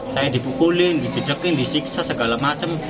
saya dibukulin dijekin disiksa segala macam